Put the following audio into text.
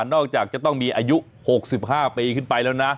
จะต้องมีอายุ๖๕ปีขึ้นไปแล้วนะ